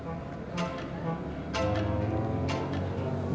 bantuin saya jualan sepatu aja